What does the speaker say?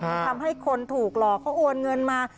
มันทำให้คนถูกหลอกเขาโอนเงินมา